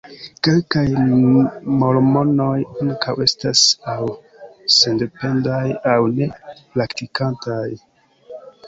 Kelkaj mormonoj ankaŭ estas aŭ sendependaj aŭ ne-praktikantaj.